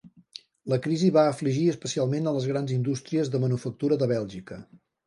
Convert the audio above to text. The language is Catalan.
La crisi va afligir especialment a les grans indústries de manufactura de Bèlgica.